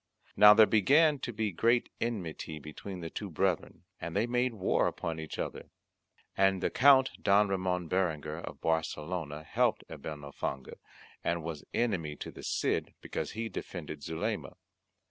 Now there began to be great enmity between the two brethren, and they made war upon each other. And the Count Don Ramon Berenguer of Barcelona helped Abenalfange, and was enemy to the Cid because he defended Zulema.